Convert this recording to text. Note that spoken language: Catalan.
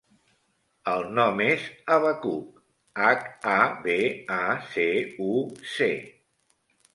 El nom és Habacuc: hac, a, be, a, ce, u, ce.